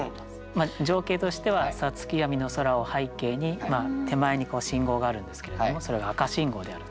情景としては五月闇の空を背景に手前に信号があるんですけれどもそれが赤信号であると。